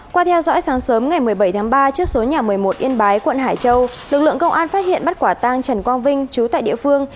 qua theo dõi sáng sớm ngày một mươi bảy tháng ba trước số nhà một mươi một yên bái quận hải châu lực lượng công an phát hiện bắt quả tang trần quang vinh chú tại địa phương